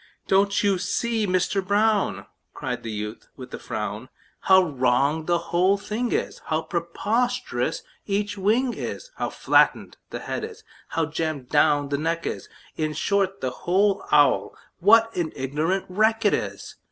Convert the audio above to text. "Don't you see, Mister Brown," Cried the youth, with a frown, "How wrong the whole thing is, How preposterous each wing is, How flattened the head is, how jammed down the neck is In short, the whole owl, what an ignorant wreck 't is!